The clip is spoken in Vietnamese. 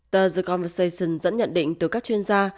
tờ the conversation dẫn nhận định từ các chuyên gia